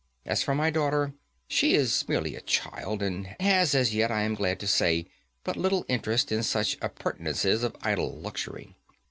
As for my daughter, she is merely a child, and has as yet, I am glad to say, but little interest in such appurtenances of idle luxury.